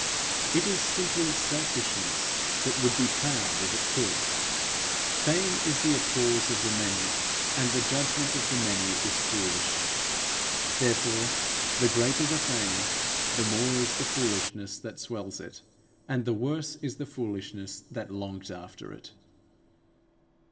It is simply selfishness that would be proud if it could. Fame is the applause of the many, and the judgment of the many is foolish; therefore the greater the fame, the more is the foolishness that swells it, and the worse is the foolishness that longs after it.